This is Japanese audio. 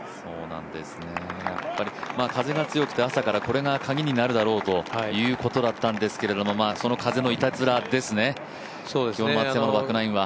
風が強くて朝からこれがカギになるだろうということだったんですけどその風のいたずらですね、今日の松山のバックナインは。